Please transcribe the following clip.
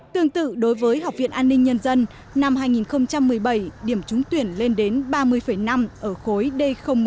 tương tự đối với học viện an ninh nhân dân năm hai nghìn một mươi bảy điểm trúng tuyển lên đến ba mươi năm ở khối d một